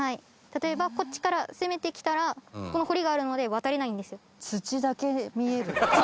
例えばこっちから攻めてきたらこの堀があるので渡れないんですよ。